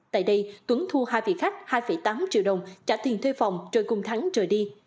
tại đây tuấn thu hai vị khách hai tám triệu đồng trả tiền thuê phòng rồi cùng thắng trời đi